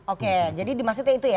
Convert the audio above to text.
oke jadi dimaksudnya itu ya